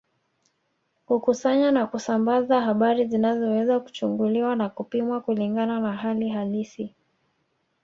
Kukusanya na kusambaza habari zinazoweza kuchunguliwa na kupimwa kulingana na hali halisi